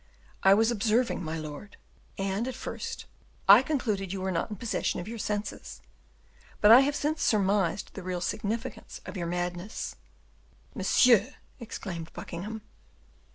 I was observing, my lord; and, at first, I concluded you were not in possession of your senses, but I have since surmised the real significance of your madness." "Monsieur!" exclaimed Buckingham.